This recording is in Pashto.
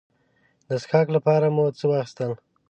د څښاک لپاره مو څه واخیستل.